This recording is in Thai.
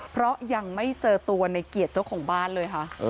เพราะยังไม่เจอตัวในเกียรติเจ้าของบ้านเลยค่ะ